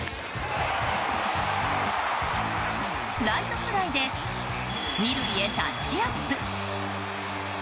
ライトフライで２塁へタッチアップ。